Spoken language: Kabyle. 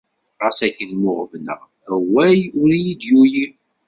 Ɣas akken mmuɣbneɣ, awal ur iyi-d-yuli.